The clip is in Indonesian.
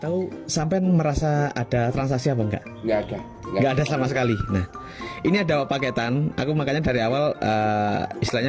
hai ada transaksi apa enggak enggak ada sama sekali ini ada paketan aku makanya dari awal istrinya